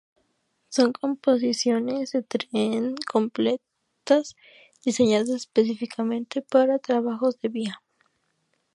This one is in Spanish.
Son composiciones de tren completas diseñadas específicamente para trabajos de vía.